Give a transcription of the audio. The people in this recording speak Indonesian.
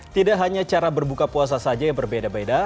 tidak hanya cara berbuka puasa saja yang berbeda beda